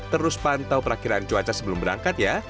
terus pantau perakhiran cuaca sebelum berangkat ya